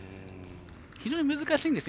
非常に難しいんですね。